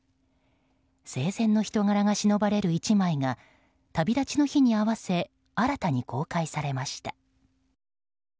生前の人柄がしのばれる１枚が旅立ちの日に合わせ新たに公開されました。